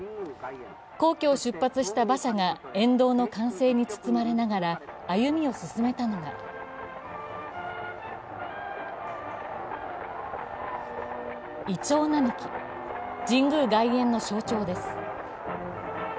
皇居を出発した馬車が沿道の歓声に包まれながら歩みを進めたのはいちょう並木、神宮外苑の象徴です。